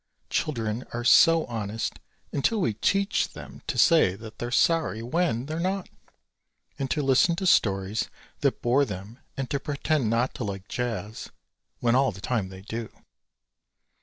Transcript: Children are so honest until we teach them to say that they're sorry when they're not, and to listen to stories that bore them and to pretend not to like Jazz when all the time they do.